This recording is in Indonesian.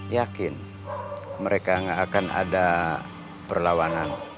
yakin mereka tidak akan ada perlawanan